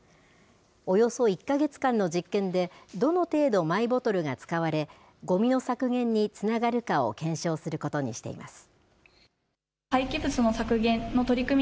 およそ１か月間の実験で、どの程度マイボトルが使われ、ごみの削減につながるかを検証することにしています。